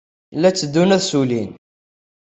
La tteddun ad ssullin.